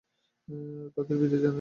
তাদের বিদায় জানালেন ও উপদেশ দিলেন।